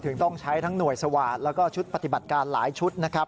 ต้องใช้ทั้งหน่วยสวาสตร์แล้วก็ชุดปฏิบัติการหลายชุดนะครับ